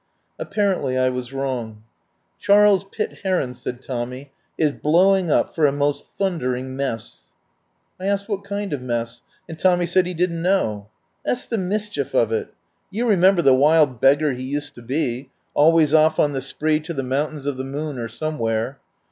Apparently I was wrong. "Charles Pitt Heron," said Tommy, "is blowing up for a most thundering mess." I asked what kind of mess, and Tommy said he didn't know. "That's the mischief of it. You remember the wild beggar he used to be, 18 THE WILD GOOSE CHASE always off on the spree to the Mountains of the Moon, or somewhere.